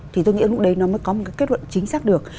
thì tôi nghĩ lúc đấy nó mới có một cái kết luận chính xác được